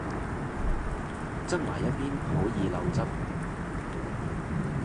側埋一邊好易漏汁